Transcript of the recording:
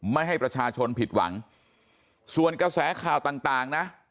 ไม่ให้ประชาชนผิดหวังส่วนกระแสข่าวต่างนะ